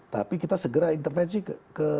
tapi kita segera intervensi ke